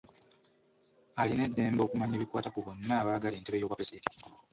Alina eddembe okumanya ebikwata ku bonna abaagala entebe y’obwapulezidenti.